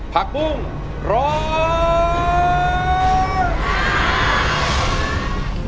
ผักบุ้งร้อง